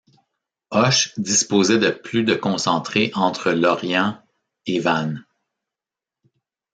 Hoche disposait de plus de concentrés entre Lorient et Vannes.